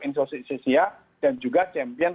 in social media dan juga champion